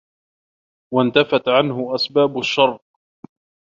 وَانْتَفَتْ عَنْهُ أَسْبَابُ الشَّرِّ